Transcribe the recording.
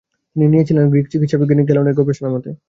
তিনি নিয়েছিলেন গ্রিক চিকিৎসাবিজ্ঞানী গ্যালেনের গবেষণা হতে।